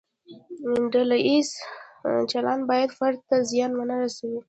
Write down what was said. ډله ییز چلند باید فرد ته زیان ونه رسوي.